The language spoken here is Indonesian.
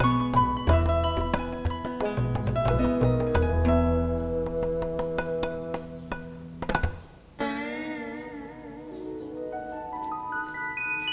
kang janji gak akan selingkuh lagi